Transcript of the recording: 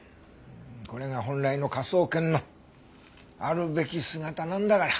これが本来の科捜研のあるべき姿なんだから。